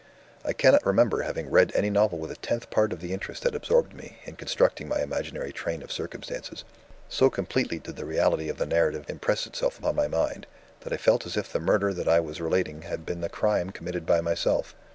"I cannot remember having read any novel with a tenth part of the interest that absorbed me, in constructing my imaginary train of circumstances. So completely did the reality of the narrative impress itself on my mind, that I felt as if the murder that I was relating had been a crime committed by myself.